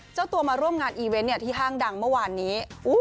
เจ้าตัวมาร่วมงานอีเวนต์ที่ห้างดังเมื่อวานนี้